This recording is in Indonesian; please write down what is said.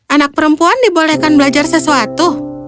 anak perempuan dibolehkan belajar sesuatu